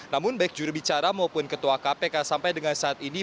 namun baik jurubicara maupun ketua kpk sampai dengan saat ini